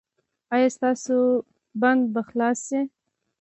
ایا ستاسو بند به خلاص شي؟